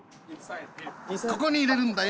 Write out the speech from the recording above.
ここに入れるんだよ。